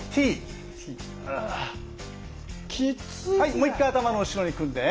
もう一回頭の後ろに組んで。